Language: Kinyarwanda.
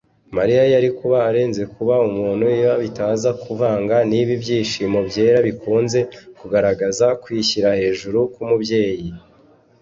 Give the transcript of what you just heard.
Mariya yari kuba arenze kuba umuntu iyo bitaza kuvanga n’ibi byishimo byera bikunze kugaragaza kwishyira hejuru k’umubyeyi